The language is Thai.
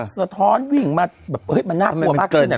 สะท้อนวิ่งมาแบบเอ้ยมันน่ากลัวมากกว่า